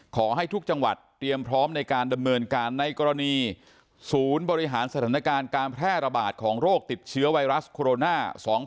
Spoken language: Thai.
ขอให้ทุกจังหวัดเตรียมพร้อมในการดำเนินการในกรณีศูนย์บริหารสถานการณ์การแพร่ระบาดของโรคติดเชื้อไวรัสโคโรนา๒๐